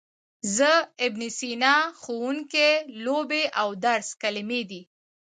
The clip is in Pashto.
زه، ابن سینا، ښوونکی، لوبې او درس کلمې دي.